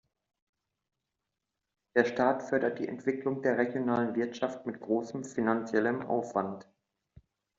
Der Staat fördert die Entwicklung der regionalen Wirtschaft mit großem finanziellem Aufwand.